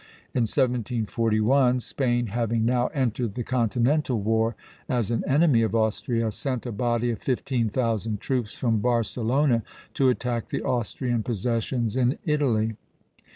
In 1741, Spain, having now entered the continental war as an enemy of Austria, sent a body of fifteen thousand troops from Barcelona to attack the Austrian possessions in Italy.